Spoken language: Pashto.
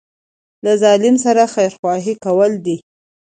له ظالم سره خیرخواهي کول دي.